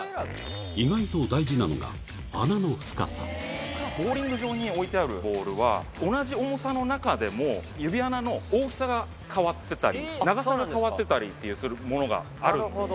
意外と大事なのがボウリング場に置いてあるボールは同じ重さの中でも指穴の大きさが変わってたり長さが変わってたりってするものがあるんですね。